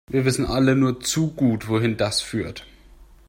Wir wissen alle nur zu gut, wohin das führt.